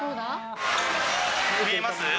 見えます？